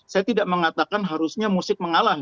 saya tidak mengatakan harusnya musik mengalah